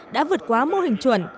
đã vượt qua mô hình chuẩn